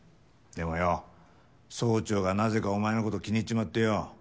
でもよ総長がなぜかお前のこと気に入っちまってよ。